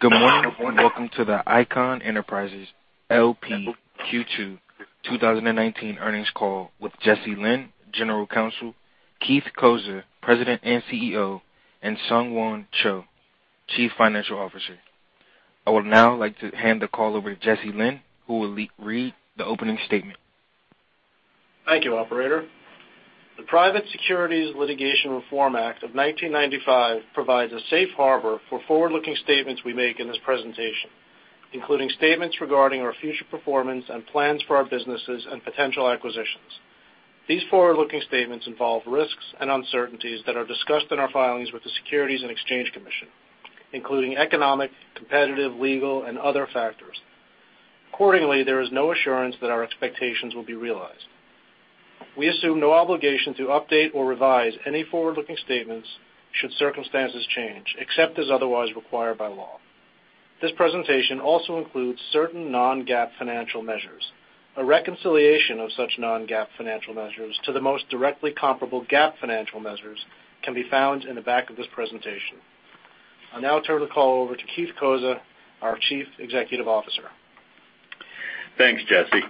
Good morning, welcome to the Icahn Enterprises L.P. Q2 2019 earnings call with Jesse Lynn, General Counsel, Keith Cozza, President and Chief Executive Officer, and SungWhan Cho, Chief Financial Officer. I would now like to hand the call over to Jesse Lynn, who will read the opening statement. Thank you, operator. The Private Securities Litigation Reform Act of 1995 provides a safe harbor for forward-looking statements we make in this presentation, including statements regarding our future performance and plans for our businesses and potential acquisitions. These forward-looking statements involve risks and uncertainties that are discussed in our filings with the Securities and Exchange Commission, including economic, competitive, legal, and other factors. Accordingly, there is no assurance that our expectations will be realized. We assume no obligation to update or revise any forward-looking statements should circumstances change, except as otherwise required by law. This presentation also includes certain non-GAAP financial measures. A reconciliation of such non-GAAP financial measures to the most directly comparable GAAP financial measures can be found in the back of this presentation. I'll now turn the call over to Keith Cozza, our Chief Executive Officer. Thanks, Jesse.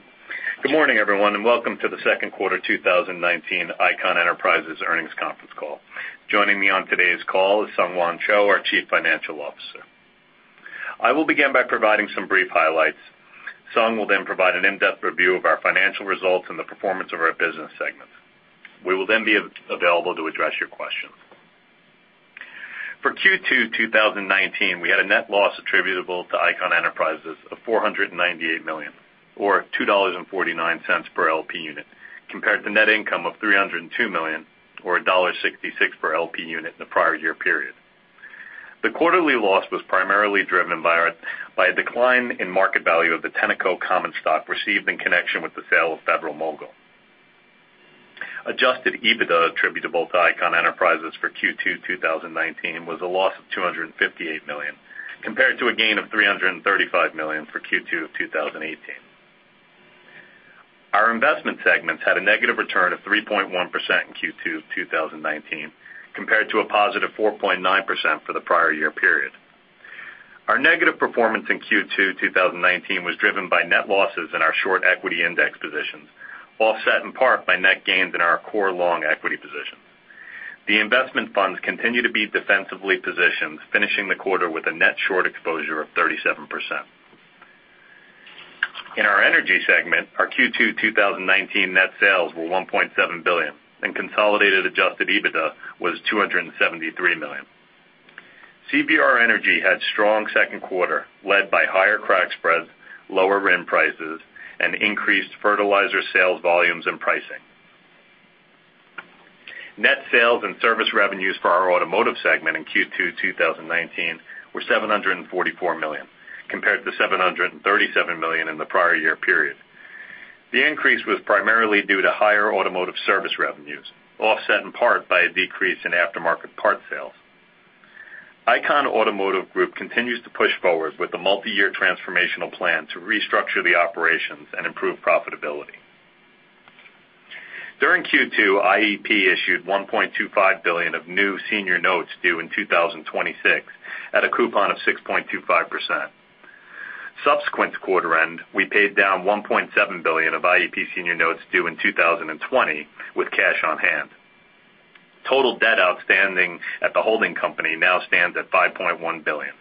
Good morning, everyone, and welcome to the second quarter 2019 Icahn Enterprises earnings conference call. Joining me on today's call is SungHwan Cho, our Chief Financial Officer. I will begin by providing some brief highlights. Sung will then provide an in-depth review of our financial results and the performance of our business segments. We will then be available to address your questions. For Q2 2019, we had a net loss attributable to Icahn Enterprises of $498 million, or $2.49 per LP unit, compared to net income of $302 million or $1.66 per LP unit in the prior year period. The quarterly loss was primarily driven by a decline in market value of the Tenneco common stock received in connection with the sale of Federal-Mogul. Adjusted EBITDA attributable to Icahn Enterprises for Q2 2019 was a loss of $258 million, compared to a gain of $335 million for Q2 of 2018. Our investment segments had a negative return of 3.1% in Q2 2019, compared to a positive 4.9% for the prior year period. Our negative performance in Q2 2019 was driven by net losses in our short equity index positions, offset in part by net gains in our core long equity positions. The investment funds continue to be defensively positioned, finishing the quarter with a net short exposure of 37%. In our energy segment, our Q2 2019 net sales were $1.7 billion and consolidated adjusted EBITDA was $273 million. CVR Energy had strong second quarter led by higher crack spreads, lower RIN prices, and increased fertilizer sales volumes and pricing. Net sales and service revenues for our automotive segment in Q2 2019 were $744 million, compared to $737 million in the prior year period. The increase was primarily due to higher automotive service revenues, offset in part by a decrease in aftermarket parts sales. Icahn Automotive Group continues to push forward with the multi-year transformational plan to restructure the operations and improve profitability. During Q2, IEP issued $1.25 billion of new senior notes due in 2026 at a coupon of 6.25%. Subsequent to quarter end, we paid down $1.7 billion of IEP senior notes due in 2020 with cash on hand. Total debt outstanding at the holding company now stands at $5.1 billion.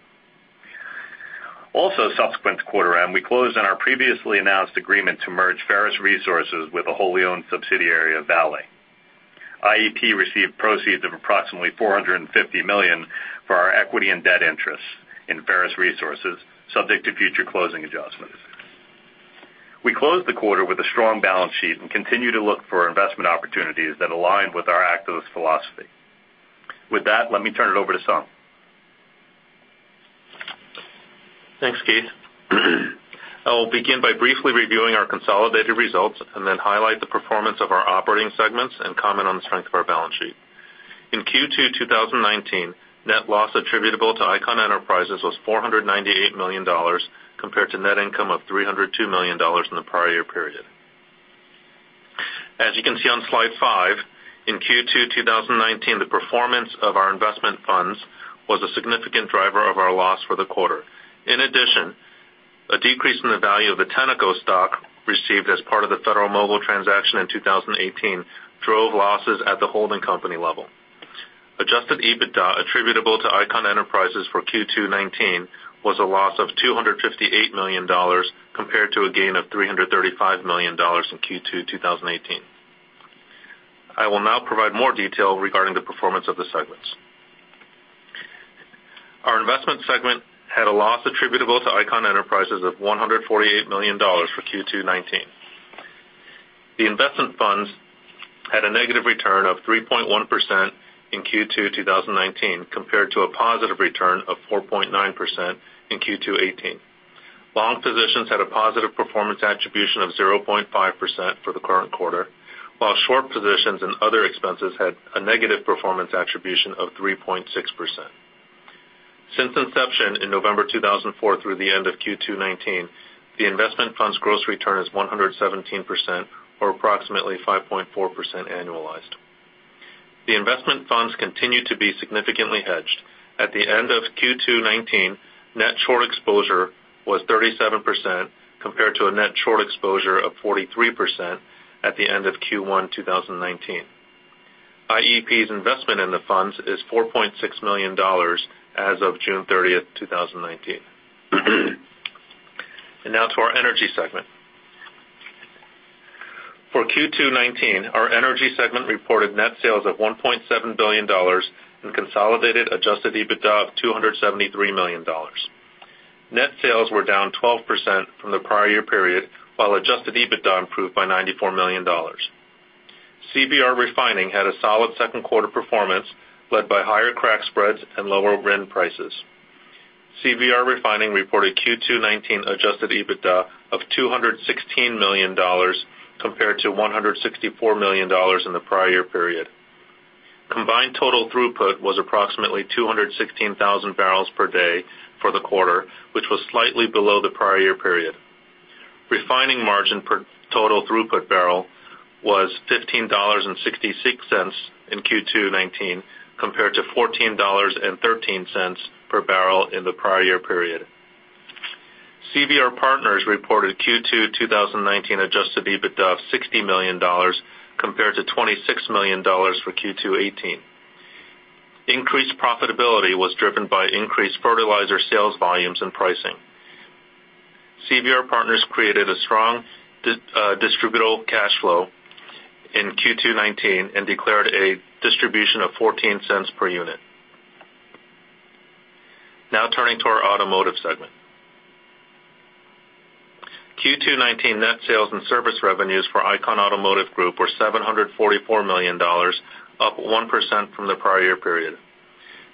Subsequent to quarter end, we closed on our previously announced agreement to merge Ferrous Resources with a wholly-owned subsidiary of Vale. IEP received proceeds of approximately $450 million for our equity and debt interests in Ferrous Resources, subject to future closing adjustments. We closed the quarter with a strong balance sheet and continue to look for investment opportunities that align with our activist philosophy. With that, let me turn it over to Sung. Thanks, Keith. I will begin by briefly reviewing our consolidated results and then highlight the performance of our operating segments and comment on the strength of our balance sheet. In Q2 2019, net loss attributable to Icahn Enterprises was $498 million, compared to net income of $302 million in the prior year period. As you can see on slide five, in Q2 2019, the performance of our investment funds was a significant driver of our loss for the quarter. In addition, a decrease in the value of the Tenneco stock received as part of the Federal-Mogul transaction in 2018 drove losses at the holding company level. Adjusted EBITDA attributable to Icahn Enterprises for Q2 2019 was a loss of $258 million compared to a gain of $335 million in Q2 2018. I will now provide more detail regarding the performance of the segments. Our investment segment had a loss attributable to Icahn Enterprises of $148 million for Q2 '19. The investment funds had a negative return of 3.1% in Q2 2019, compared to a positive return of 4.9% in Q2 '18. Long positions had a positive performance attribution of 0.5% for the current quarter, while short positions and other expenses had a negative performance attribution of 3.6%. Since inception in November 2004 through the end of Q2 '19, the investment fund's gross return is 117%, or approximately 5.4% annualized. The investment funds continue to be significantly hedged. At the end of Q2 '19, net short exposure was 37%, compared to a net short exposure of 43% at the end of Q1 2019. IEP's investment in the funds is $4.6 million as of June 30th, 2019. Now to our energy segment. For Q2 '19, our energy segment reported net sales of $1.7 billion and consolidated adjusted EBITDA of $273 million. Net sales were down 12% from the prior year period, while adjusted EBITDA improved by $94 million. CVR Refining had a solid second quarter performance, led by higher crack spreads and lower RIN prices. CVR Refining reported Q2 '19 adjusted EBITDA of $216 million compared to $164 million in the prior year period. Combined total throughput was approximately 216,000 barrels per day for the quarter, which was slightly below the prior year period. Refining margin per total throughput barrel was $15.66 in Q2 '19, compared to $14.13 per barrel in the prior year period. CVR Partners reported Q2 2019 adjusted EBITDA of $60 million compared to $26 million for Q2 '18. Increased profitability was driven by increased fertilizer sales volumes and pricing. CVR Partners created a strong distributable cash flow in Q2 2019 and declared a distribution of $0.14 per unit. Turning to our automotive segment. Q2 2019 net sales and service revenues for Icahn Automotive Group were $744 million, up 1% from the prior year period.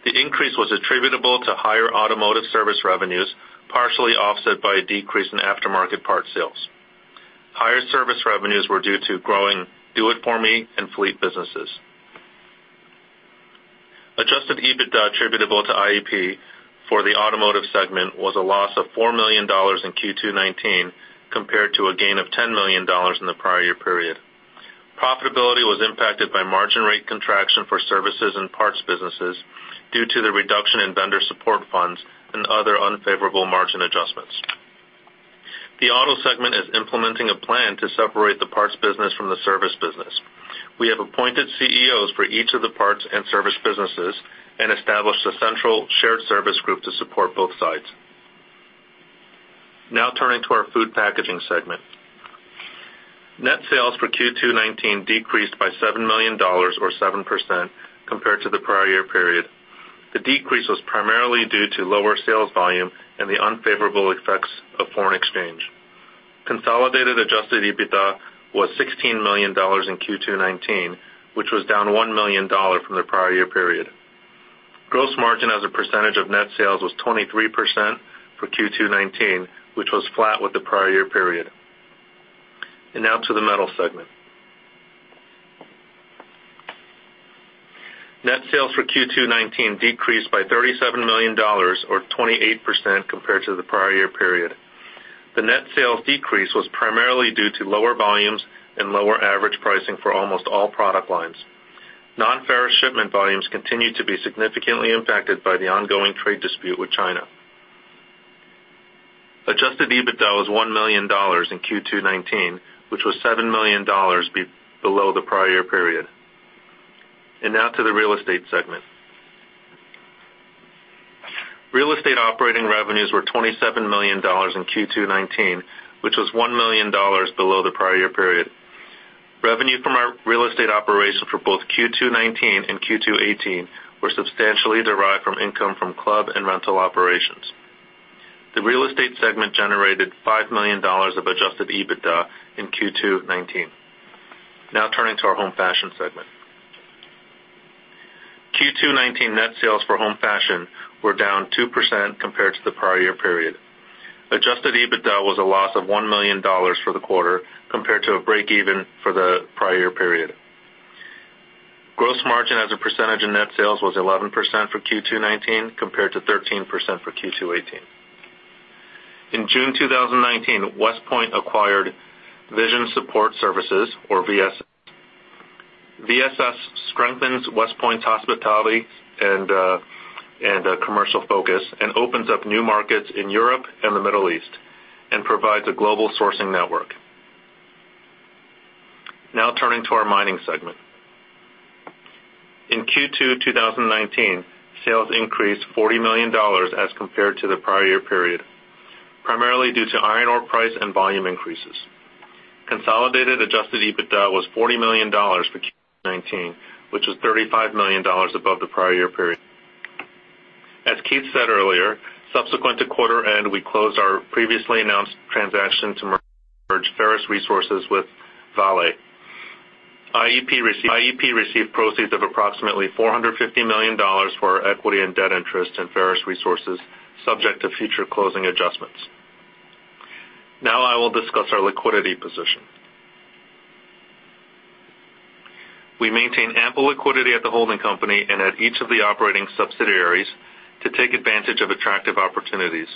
The increase was attributable to higher automotive service revenues, partially offset by a decrease in aftermarket parts sales. Higher service revenues were due to growing Do It For Me and fleet businesses. Adjusted EBITDA attributable to IEP for the automotive segment was a loss of $4 million in Q2 2019 compared to a gain of $10 million in the prior year period. Profitability was impacted by margin rate contraction for services and parts businesses due to the reduction in vendor support funds and other unfavorable margin adjustments. The auto segment is implementing a plan to separate the parts business from the service business. We have appointed CEOs for each of the parts and service businesses and established a central shared service group to support both sides. Turning to our food packaging segment. Net sales for Q2 2019 decreased by $7 million, or 7%, compared to the prior year period. The decrease was primarily due to lower sales volume and the unfavorable effects of foreign exchange. Consolidated adjusted EBITDA was $16 million in Q2 2019, which was down $1 million from the prior year period. Gross margin as a percentage of net sales was 23% for Q2 2019, which was flat with the prior year period. Now to the metal segment. Net sales for Q2 2019 decreased by $37 million, or 28%, compared to the prior year period. The net sales decrease was primarily due to lower volumes and lower average pricing for almost all product lines. Non-ferrous shipment volumes continued to be significantly impacted by the ongoing trade dispute with China. Adjusted EBITDA was $1 million in Q2 2019, which was $7 million below the prior year period. Now to the real estate segment. Real estate operating revenues were $27 million in Q2 2019, which was $1 million below the prior year period. Revenue from our real estate operations for both Q2 2019 and Q2 2018 were substantially derived from income from club and rental operations. The real estate segment generated $5 million of adjusted EBITDA in Q2 2019. Turning to our home fashion segment. Q2 2019 net sales for home fashion were down 2% compared to the prior year period. Adjusted EBITDA was a loss of $1 million for the quarter, compared to a break even for the prior year period. Gross margin as a percentage of net sales was 11% for Q2 2019, compared to 13% for Q2 2018. In June 2019, WestPoint acquired Vision Support Services, or VSS. VSS strengthens WestPoint's hospitality and commercial focus and opens up new markets in Europe and the Middle East and provides a global sourcing network. Turning to our mining segment. In Q2 2019, sales increased $40 million as compared to the prior year period, primarily due to iron ore price and volume increases. Consolidated adjusted EBITDA was $40 million for Q2 2019, which was $35 million above the prior year period. As Keith said earlier, subsequent to quarter end, we closed our previously announced transaction to merge Ferrous Resources with Vale. IEP received proceeds of approximately $450 million for our equity and debt interest in Ferrous Resources, subject to future closing adjustments. I will discuss our liquidity position. We maintain ample liquidity at the holding company and at each of the operating subsidiaries to take advantage of attractive opportunities.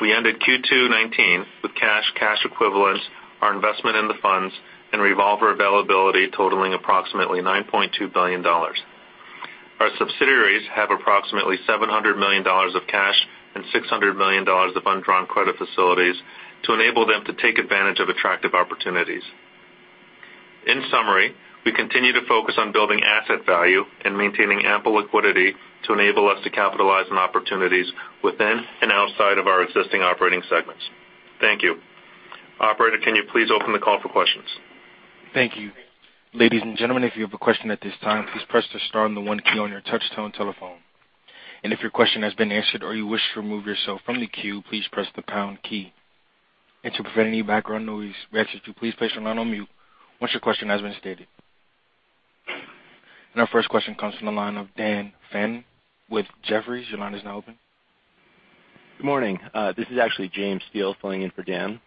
We ended Q2 2019 with cash equivalents, our investment in the funds, and revolver availability totaling approximately $9.2 billion. Our subsidiaries have approximately $700 million of cash and $600 million of undrawn credit facilities to enable them to take advantage of attractive opportunities. In summary, we continue to focus on building asset value and maintaining ample liquidity to enable us to capitalize on opportunities within and outside of our existing operating segments. Thank you. Operator, can you please open the call for questions? Thank you. Ladies and gentlemen, if you have a question at this time, please press the star and the one key on your touch-tone telephone. If your question has been answered or you wish to remove yourself from the queue, please press the pound key. To prevent any background noise, we ask that you please place yourself on mute once your question has been stated. Our first question comes from the line of Dan Fannon with Jefferies. Your line is now open. Good morning. This is actually James Steele filling in for Dan.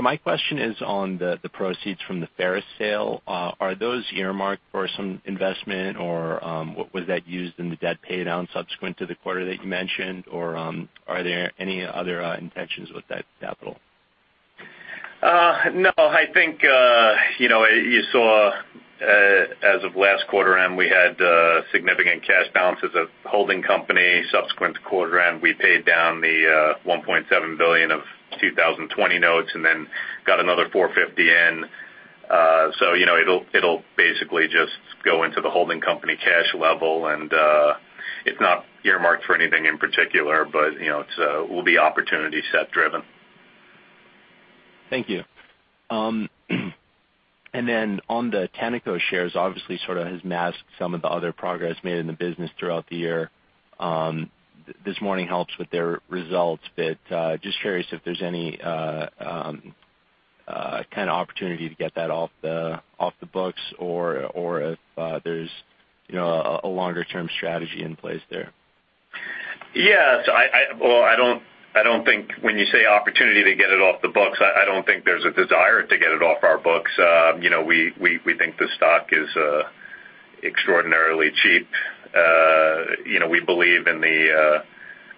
My question is on the proceeds from the Ferrous sale. Are those earmarked for some investment, or was that used in the debt pay down subsequent to the quarter that you mentioned, or are there any other intentions with that capital? I think you saw as of last quarter end, we had significant cash balances of holding company subsequent to quarter end. We paid down the $1.7 billion of 2020 notes and then got another $450 in. It'll basically just go into the holding company cash level and it's not earmarked for anything in particular, but it will be opportunity set driven. Thank you. On the Tenneco shares, obviously sort of has masked some of the other progress made in the business throughout the year. This morning helps with their results. Just curious if there's any kind of opportunity to get that off the books or if there's a longer-term strategy in place there. Yes. When you say opportunity to get it off the books, I don't think there's a desire to get it off our books. We think the stock is extraordinarily cheap. We believe in the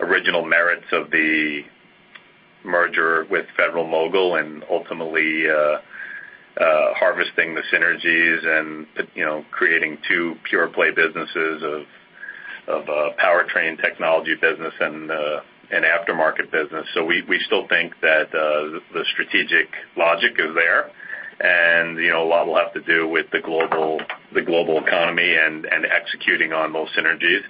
original merits of the merger with Federal-Mogul and ultimately harvesting the synergies and creating two pure play businesses of a powertrain technology business and aftermarket business. We still think that the strategic logic is there, and a lot will have to do with the global economy and executing on those synergies.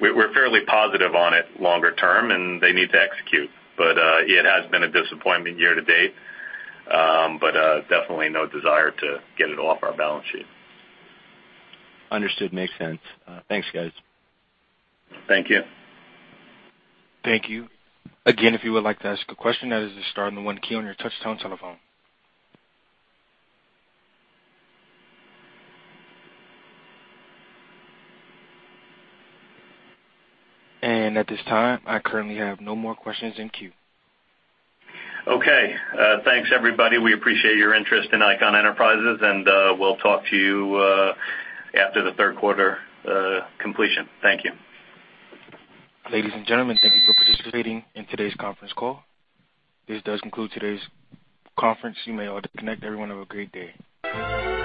We're fairly positive on it longer term, and they need to execute. It has been a disappointment year to date. Definitely no desire to get it off our balance sheet. Understood. Makes sense. Thanks, guys. Thank you. Thank you. If you would like to ask a question, that is the star and the one key on your touch-tone telephone. At this time, I currently have no more questions in queue. Okay. Thanks, everybody. We appreciate your interest in Icahn Enterprises, and we'll talk to you after the third quarter completion. Thank you. Ladies and gentlemen, thank you for participating in today's conference call. This does conclude today's conference. You may all disconnect. Everyone, have a great day.